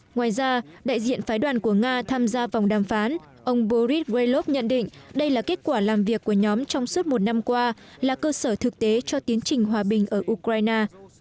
ngoài ra đại diện phái đoàn của nga tham gia vòng đàm phán ông boris waellov nhận định đây là kết quả làm việc của nhóm trong suốt một năm qua là cơ sở thực tế cho tiến trình hòa bình ở ukraine